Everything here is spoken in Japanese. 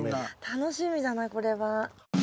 楽しみだなこれは。